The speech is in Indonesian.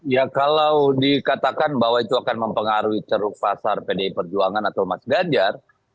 ya kalau dikatakan bahwa itu akan mempengaruhi ceruk pasar pdi perjuangan atau mas ganjar